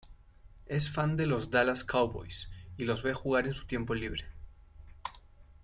Es fan de los Dallas Cowboys y los ve jugar en su tiempo libre.